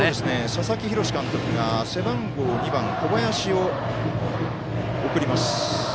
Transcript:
佐々木洋監督が背番号２番の小林を送ります。